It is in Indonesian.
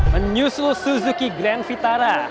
menyusul suzuki grand vitara